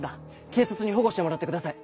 警察に保護してもらってください。